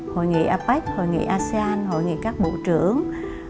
hội nghị apec hội nghị asean hội nghị các bộ trưởng